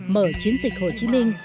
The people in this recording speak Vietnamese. mở chiến dịch hồ chí minh